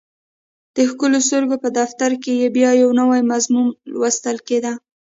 د ښکلو سترګو په دفتر کې یې بیا یو نوی مضمون لوستل کېده